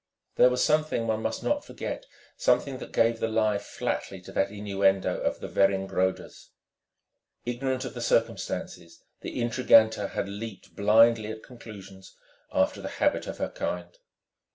There was something one must not forget, something that gave the lie flatly to that innuendo of the Weringrode's. Ignorant of the circumstances the intrigante had leaped blindly at conclusions, after the habit of her kind.